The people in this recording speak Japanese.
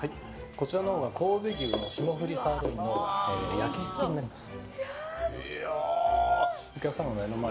こちらが神戸牛の霜降りサーロインの焼きすきです。